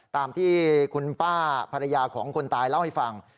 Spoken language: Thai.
ตามที่คุณป้าภรรยาของคนตายเล่าให้ฟัง